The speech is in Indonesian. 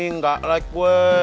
nggak like gue